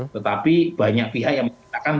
tetapi banyak pihak yang mengatakan